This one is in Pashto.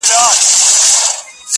عدالت یې هر سړي ته وو منلی!.